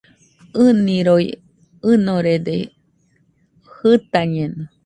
ɨniroi ɨnorede, jɨtañeno